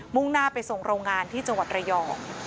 ่งหน้าไปส่งโรงงานที่จังหวัดระยอง